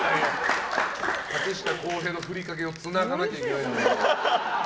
松下洸平のふりかけをつながなきゃいけない。